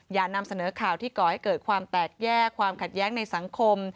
อย่านำเสนอข่าวที่ก่อให้เกิดความแตกแยกความขัดแย้งในสังคม